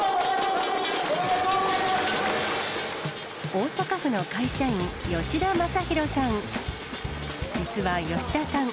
大阪府の会社員、吉田昌弘さん。